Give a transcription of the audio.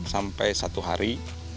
sampai satu hari